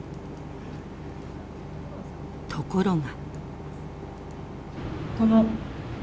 ところが。